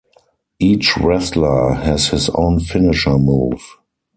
Each wrestler has his own finisher move.